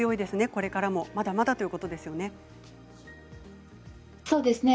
これからもまだまだということですね。